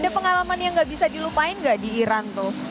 ada pengalaman yang gak bisa dilupain nggak di iran tuh